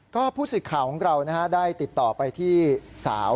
ก็ผู้สื่อข่าวของเราได้ติดต่อไปที่สาว